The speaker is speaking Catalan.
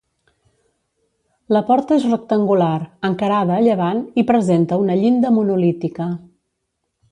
La porta és rectangular, encarada a llevant i presenta una llinda monolítica.